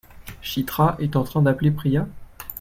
Chitra est en train d'appeler Priya ?